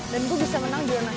dan gue bisa menang jurnal